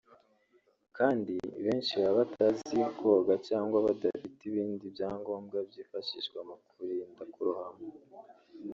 kandi benshi baba batazi koga cyangwa badafite ibindi bya ngombwa byifashishwa mu kurinda kurohama